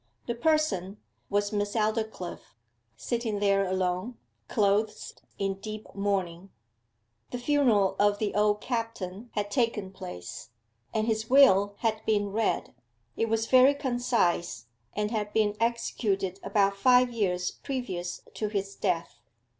The person was Miss Aldclyffe sitting there alone, clothed in deep mourning. The funeral of the old Captain had taken place, and his will had been read. It was very concise, and had been executed about five years previous to his death.